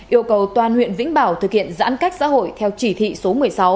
yêu cầu toàn huyện vĩnh bảo thực hiện giãn cách xã hội theo chỉ thị số một mươi sáu